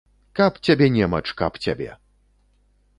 Каб цябе немач, каб цябе!